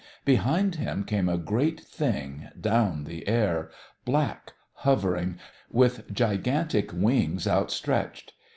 Behind him came a great thing down the air, black, hovering, with gigantic wings outstretched.